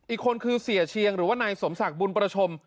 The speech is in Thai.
อีกคนคือเสียเชียงหรือว่านายสมศักดิ์บุญประชม